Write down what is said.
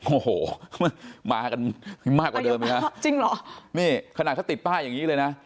โอ้โหมากันมากกว่าเดิมอีกนะจริงเหรอนี่ขนาดถ้าติดป้ายอย่างนี้เลยนะ